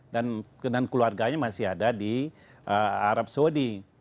dan keluarganya masih ada di arab saudi